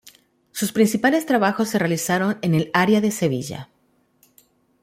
Sus principales trabajos se realizaron en el área de Sevilla.